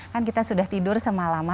kan kita sudah tidur semalaman